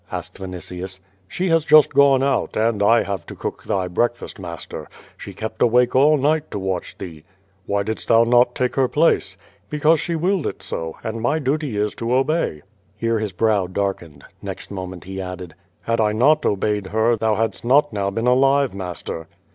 '' asked Vinitius. "She has just gone out, and I have to cook thy breakfast, muster. She kept awake all night to watch thee/' "Why didst thou not take her place?'' "Because she willed it so, and my duty is to obey." Here his brow darkened. Xext moment he added: "Had I not obeyed her thou hadst not now been alive, master."